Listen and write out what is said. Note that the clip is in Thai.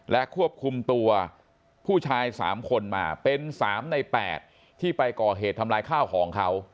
และควบคุมตัวผู้ชาย๓คนมาเป็น๓ใน๘ที่ไปก่อเหตุทำลายข้าวของเขา